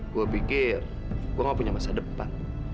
gua pikir gua gak punya masa depan